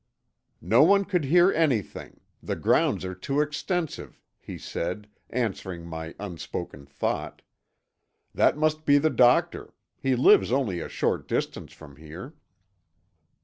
"No one could hear anything. The grounds are too extensive," he said, answering my unspoken thought. "That must be the doctor. He lives only a short distance from here."